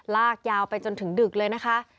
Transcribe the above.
ลากยาวไปจนถึงดึกเลยนะคะ